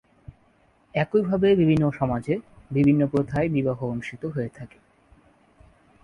একইভাবে বিভিন্ন সমাজে বিভিন্ন প্রথায় বিবাহ অনুষ্ঠিত হয়ে থাকে।